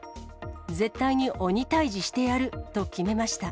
絶対に鬼退治してやる！と決めました。